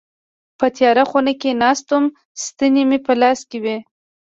په تياره خونه کي ناست وم ستني مي په لاس کي وي.